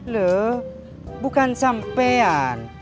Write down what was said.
lu bukan sampean